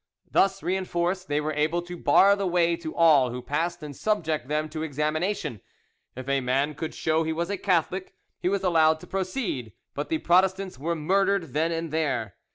Thus reinforced, they were able to bar the way to all who passed and subject them to examination; if a man could show he was a Catholic, he was allowed to proceed, but the Protestants were murdered then and there.